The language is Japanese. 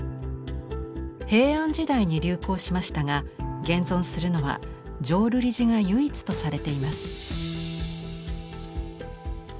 平安時代に流行しましたが現存するのは浄瑠璃寺が唯一とされています。